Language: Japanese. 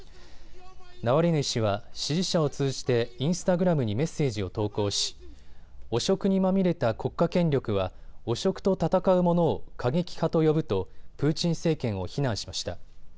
ナワリヌイ氏は支持者を通じてインスタグラムにメッセージを投稿し汚職にまみれた国家権力は汚職と闘う者を過激派と呼ぶとプーチン政権を非難しました。